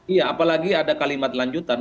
iya apalagi ada kalimat lanjutan